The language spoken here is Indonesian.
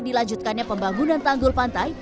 dilanjutkannya pembangunan tanggul pantai